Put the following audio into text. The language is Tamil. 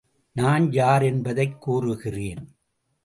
நான் யார் என்பதைக் கூறுகிறேன்.